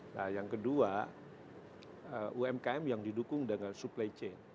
nah yang kedua umkm yang didukung dengan supply chain